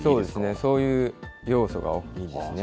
そういう要素が大きいんですね。